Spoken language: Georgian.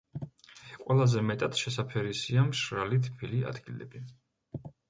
ყველაზე მეტად შესაფერისია მშრალი თბილი ადგილები.